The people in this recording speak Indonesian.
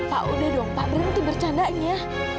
pak udah dong pak berhenti bercandanya